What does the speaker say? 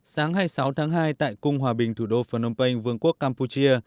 sáng hai mươi sáu tháng hai tại cung hòa bình thủ đô phnom penh vương quốc campuchia